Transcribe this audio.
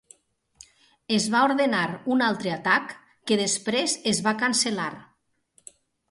Es va ordenar un altre atac que després es va cancel·lar.